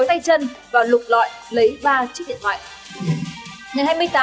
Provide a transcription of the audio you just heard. trần và lục lọi lấy ba chiếc điện thoại